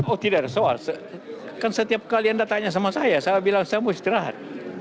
oh tidak ada soal kan setiap kalian datangnya sama saya saya bilang saya mau istirahat